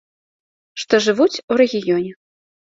Што жывуць у рэгіёне.